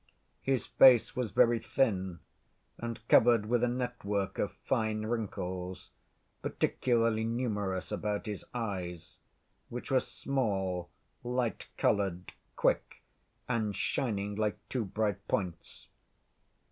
His face was very thin and covered with a network of fine wrinkles, particularly numerous about his eyes, which were small, light‐colored, quick, and shining like two bright points.